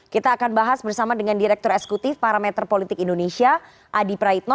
kita akan bahas bersama dengan direktur eksekutif parameter politik indonesia adi praitno